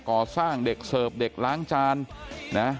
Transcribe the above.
ก่อสร้างเด็กเสิร์ฟเด็กล้างจานนะ